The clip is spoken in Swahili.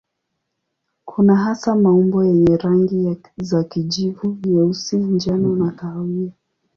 Kuna hasa maumbo yenye rangi za kijivu, nyeusi, njano na kahawia.